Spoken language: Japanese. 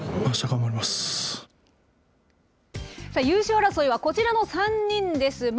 優勝争いは、こちらの３人です。